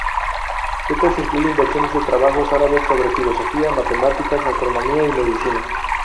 Estas incluyen versiones de trabajos árabes sobre filosofía, matemática, astronomía y medicina.